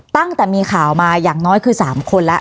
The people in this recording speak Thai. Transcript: ตั้งแต่มีข่าวมาอย่างน้อยคือ๓คนแล้ว